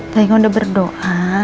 tadi kau udah berdoa